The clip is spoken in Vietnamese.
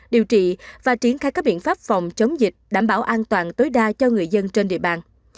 điều trị và triển khai các biện pháp phòng chống dịch đảm bảo an toàn tối đa cho người dân trên địa bàn